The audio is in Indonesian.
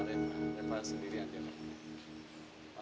reva sendirian di amerika